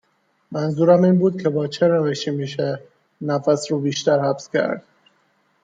منظورم این بود که با چه روشی میشه نفس رو بیشتر حبس کرد؟